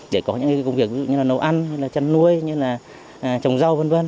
để có những công việc như là nấu ăn chăn nuôi trồng rau v v